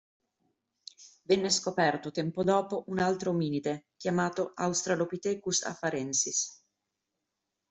Venne scoperto tempo dopo un altro ominide chiamato Australopithecus Afarensis